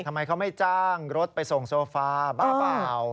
ทำไมเขาไม่จ้างรถไปส่งโซฟาบ้าเปล่า